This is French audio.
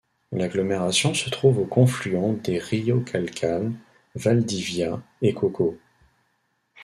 L'agglomération se trouve au confluent des rio Calle-Calle, Valdivia et Cau-Cau.